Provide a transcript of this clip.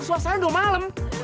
suasana udah malam